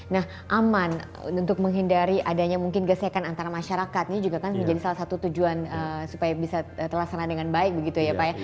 nah aman untuk menghindari adanya mungkin gesekan antara masyarakat ini juga kan menjadi salah satu tujuan supaya bisa terlaksana dengan baik begitu ya pak ya